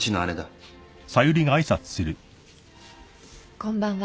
こんばんは。